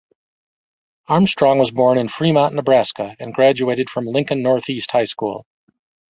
Armstrong was born in Fremont, Nebraska, and graduated from Lincoln Northeast High School.